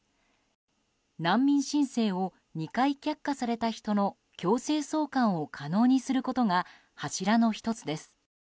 難民申請を２回却下された人の強制送還を可能にすることが柱の１つです。